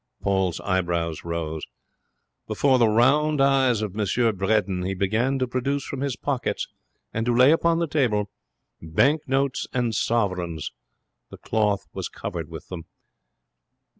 Paul's eyebrows rose. Before the round eyes of M. Bredin he began to produce from his pockets and to lay upon the table bank notes and sovereigns. The cloth was covered with them.